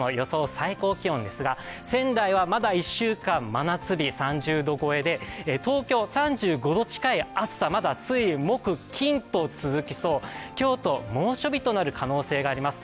最高気温ですが仙台はまだ１週間、真夏日３０度超えで、東京は３５度近い暑さ、まだ水木金と続きそう、京都、猛暑日となる可能性があります。